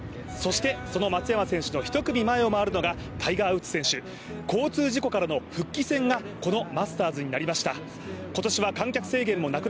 そしてその松山選手の１組前を回るのがタイガー・ウッズ選手、交通事故からの復帰戦がこのマスターズになりました。